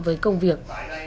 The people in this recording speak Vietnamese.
với công việc